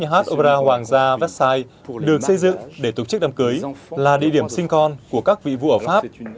hát opera hoàng gia vecsai được xây dựng để tổ chức đám cưới là địa điểm sinh con của các vị vua ở pháp